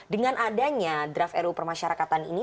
dengan adanya draft ru permasyarakatan ini